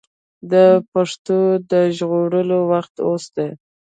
د پښتو د ژغورلو وخت اوس دی.